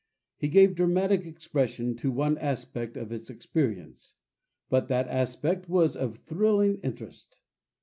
He gave dramatic expression to one aspect of its experience; but that aspect was of thrilling interest.